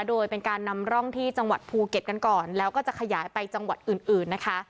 โดยเป็นการนำร่องที่จังหวัดภูเก็ตกันก่อนแล้วก็จะขยายไปจังหวัดอื่นนะคะ